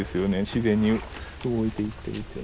自然に動いていってるっていうのは。